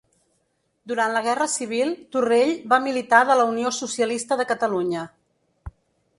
Durant la guerra civil, Torrell va militar de la Unió Socialista de Catalunya.